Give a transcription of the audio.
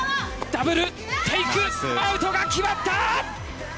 ダブルテイクアウトが決まった！